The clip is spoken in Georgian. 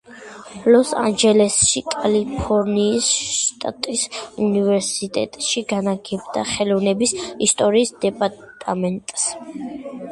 ლოს-ანჯელესში, კალიფორნიის შტატის უნივერსიტეტში, განაგებდა ხელოვნების ისტორიის დეპარტამენტს.